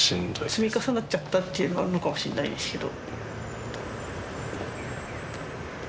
積み重なっちゃったっていうのはあるのかもしれないですけど。